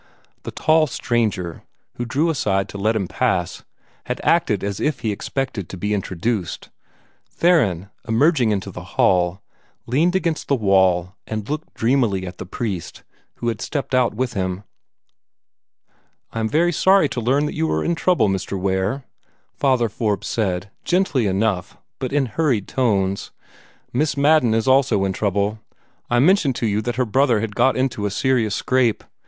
The tall stranger, who drew aside to let him pass, had acted as if he expected to be introduced. Theron, emerging into the hall, leaned against the wall and looked dreamily at the priest, who had stepped out with him. "I am very sorry to learn that you are in trouble, Mr. Ware," Father Forbes said, gently enough, but in hurried tones. "Miss Madden is also in trouble. I mentioned to you that her brother had got into a serious scrape.